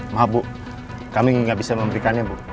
maaf bu kami nggak bisa memberikannya bu